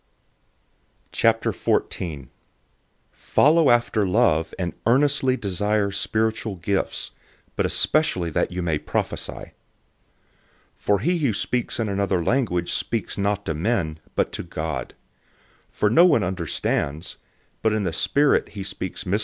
014:001 Follow after love, and earnestly desire spiritual gifts, but especially that you may prophesy. 014:002 For he who speaks in another language speaks not to men, but to God; for no one understands; but in the Spirit he speaks mysteries.